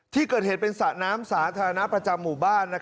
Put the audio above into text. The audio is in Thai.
ที่เกิดเหตุเป็นสระน้ำสาธารณะประจำหมู่บ้าน